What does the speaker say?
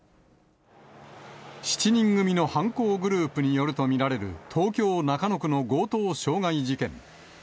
７人組の犯行グループによると見られる、東京・中野区の強盗傷害事件。